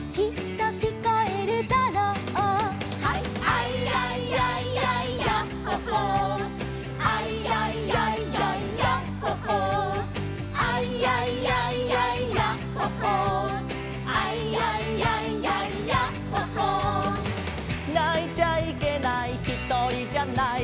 「アイヤイヤイヤイヤッホ・ホー」「アイヤイヤイヤイヤッホ・ホー」「アイヤイヤイヤイヤッホ・ホー」「アイヤイヤイヤイヤッホ・ホー」「泣いちゃいけないひとりじゃない」